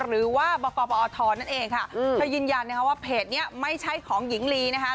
หรือว่าบกปอทนั่นเองค่ะเธอยืนยันนะคะว่าเพจนี้ไม่ใช่ของหญิงลีนะคะ